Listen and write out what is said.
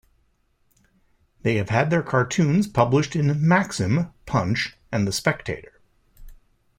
They have had their cartoons published in "Maxim", "Punch", and "The Spectator".